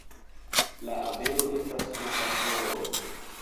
La abelo estas sur la floro